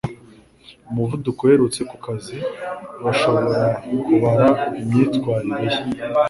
Umuvuduko uherutse kukazi urashobora kubara imyitwarire ye